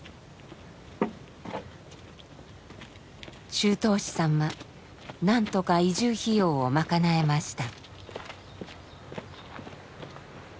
柱東子さんは何とか移住費用を賄えました。